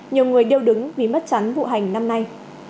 nhiều người đều đứng vì mất chắn vụ hành năm nay